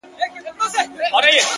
پرون مي ستا په ياد كي شپه رڼه كړه ـ